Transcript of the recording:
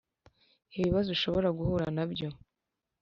ibibazo ishobora guhura na byo